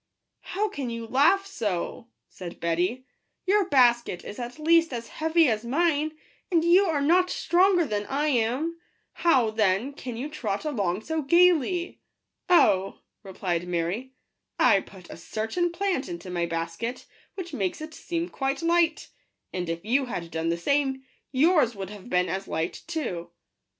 " How can you laugh so !" said Betty :" your basket is at least as heavy as mine, and you are not stronger than I am ; how, then, can you trot along so gaily ?"" Oh," replied Mary, " I put a certain plant into my basket, which makes it seem quite light ; and if you had done the same, yours would have been as light too."